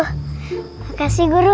terima kasih guru